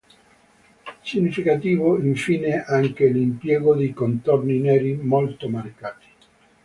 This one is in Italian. Significativo, infine, anche l'impiego di contorni neri, molto marcati.